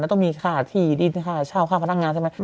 มันต้องมีฐาธิดินฐาชาวค่าพนักงานใช่ไหม